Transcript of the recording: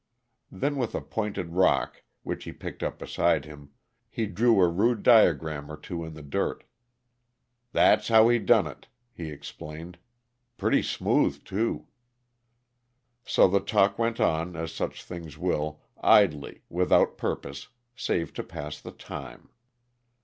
Then, with a pointed rock which he picked up beside him, he drew a rude diagram or two in the dirt. "That's how he done it," he explained. "Pretty smooth, too." So the talk went on, as such things will, idly, without purpose save to pass the time.